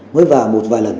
mới vào một vài lần